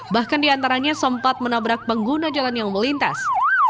bahkan diantaranya sempat menabrak pengguna jalan yang melintas